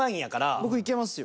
僕いけますよ。